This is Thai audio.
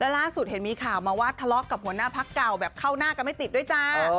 ล่าสุดเห็นมีข่าวมาว่าทะเลาะกับหัวหน้าพักเก่าแบบเข้าหน้ากันไม่ติดด้วยจ้า